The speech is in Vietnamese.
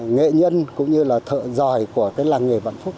nghệ nhân cũng như là thợ giỏi của cái làng nghề vạn phúc